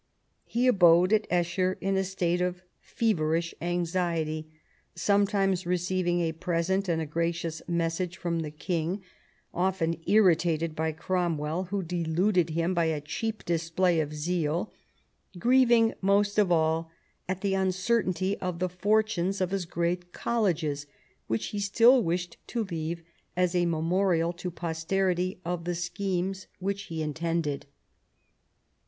He abode at Esher in a state of feverish anxiety, some times receiving a present and a gracious message from the king, often irritated by Cromwell, who deluded him by a cheap display of zeal, grieving most of all at the uncertainty of the fortunes of his great colleges, which he still wished to leave as a memorial to posterity of the schemes which he intended.